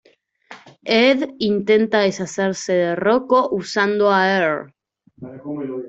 Ed intenta deshacerse de Rocko usando a Earl.